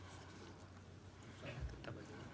sebenarnya susah itu pak